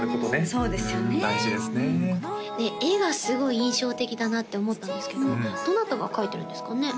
そうですよねで絵がすごい印象的だなって思ったんですけどどなたが描いてるんですかね？